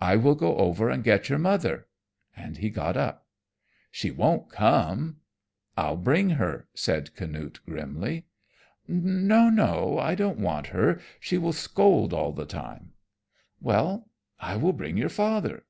"I will go over and get your mother." And he got up. "She won't come." "I'll bring her," said Canute grimly. "No, no. I don't want her, she will scold all the time." "Well, I will bring your father."